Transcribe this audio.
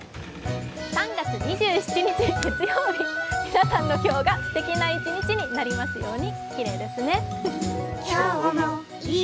３月２７日月曜日、皆さんの今日がすてきな一日になりますように。